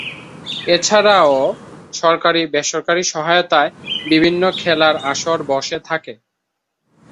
এছাড়া ও সরকারি বেসরকারী সহায়তায় বিভিন্ন খেলার আসর বসে থাকে।